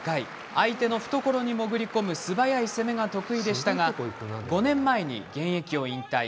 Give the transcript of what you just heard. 相手の懐に潜り込む素早い攻めが得意でしたが５年前に現役を引退。